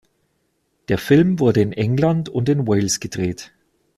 Der Film wurde in England und in Wales gedreht.